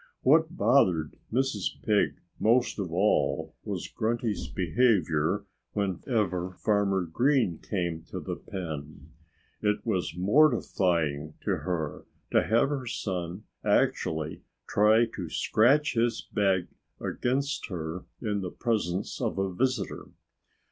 What bothered Mrs. Pig most of all was Grunty's behavior whenever Farmer Green came to the pen. It was mortifying to her to have her son actually try to scratch his back against her in the presence of a visitor.